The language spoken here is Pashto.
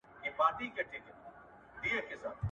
لار جوړه کړئ.